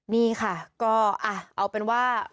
นี่ค่ะก็เอาเป็นว่า